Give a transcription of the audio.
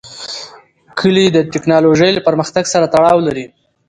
کلي د تکنالوژۍ له پرمختګ سره تړاو لري.